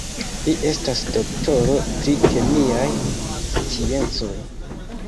Li estas doktoro pri kemiaj sciencoj.